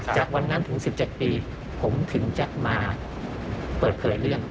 จากวันนั้นถึง๑๗ปีผมถึงจะมาเปิดเผยเรื่อง